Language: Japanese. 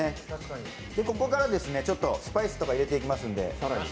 ここからスパイスとか入れていきますんで。